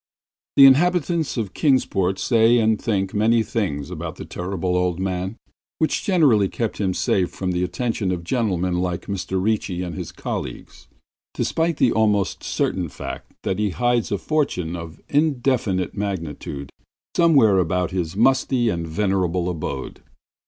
The inhabitants of Kingsport say and think many things about the Terrible Old Man which generally keep him safe from the attentions of gentlemen like Mr. Ricci and his colleagues, despite the almost certain fact that he hides a fortune of indefinite magnitude somewhere about his musty and venerable abode.